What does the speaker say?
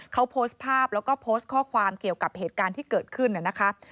เขาโพสต์ภาพแล้วก็โพสต์ข้อความเกี่ยวกับเหตุการณ์ที่เกิดขึ้นนะคะ